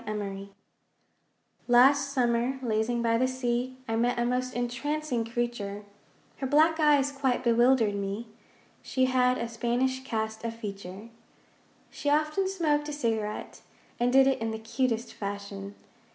SMOKE Last summer, lazing by the sea, I met a most entrancing creature, Her black eyes quite bewildered me She had a Spanish cast of feature. She often smoked a cigarette, And did it in the cutest fashion.